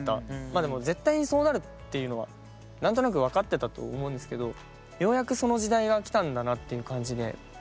まあでも絶対にそうなるっていうのは何となく分かってたと思うんですけどようやくその時代が来たんだなっていう感じで。